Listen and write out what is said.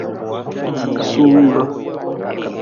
Sumbe.